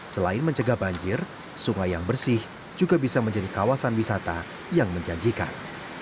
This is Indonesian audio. selain mencegah banjir sungai yang bersih juga bisa menjadi kawasan wisata yang menjanjikan